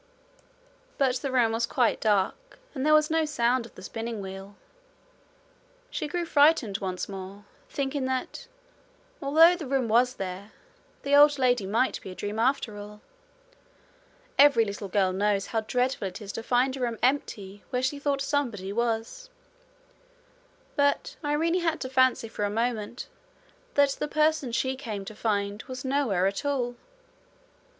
But the room was quite dark and there was no sound of the spinning wheel. She grew frightened once more, thinking that, although the room was there, the old lady might be a dream after all. Every little girl knows how dreadful it is to find a room empty where she thought somebody was; but Irene had to fancy for a moment that the person she came to find was nowhere at all.